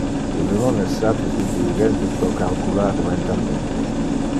Ille non es satis intelligente pro calcular mentalmente.